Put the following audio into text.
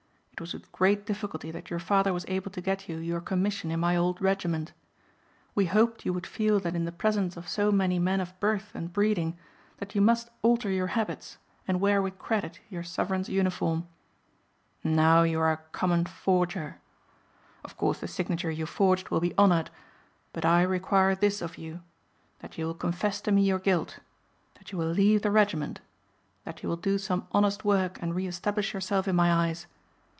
It was with great difficulty that your father was able to get you your commission in my old regiment. We hoped you would feel that in the presence of so many men of birth and breeding that you must alter your habits and wear with credit your sovereign's uniform. And now you are a common forger. Of course the signature you forged will be honored. But I require this of you: that you will confess to me your guilt; that you will leave the regiment; that you will do some honest work and re establish yourself in my eyes.